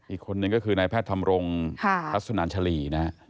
อีกคนนึงก็คือนายแพทย์ทำโรงรัศนาญชาลี